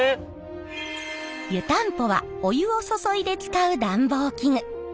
湯たんぽはお湯を注いで使う暖房器具。